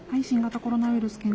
新型コロナウイルス